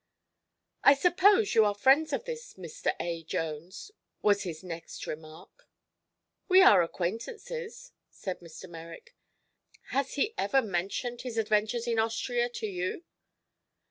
"I suppose you are friends of this Mr. A. Jones," was his next remark. "We are acquaintances," said Mr. Merrick. "Has he ever mentioned his adventures in Austria to you?"